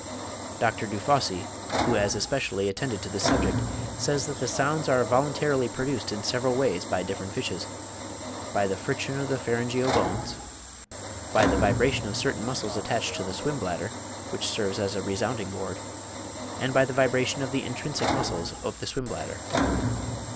Dr. Dufosse, who has especially attended to this subject, says that the sounds are voluntarily produced in several ways by different fishes: by the friction of the pharyngeal bones—by the vibration of certain muscles attached to the swim bladder, which serves as a resounding board—and by the vibration of the intrinsic muscles of the swim bladder.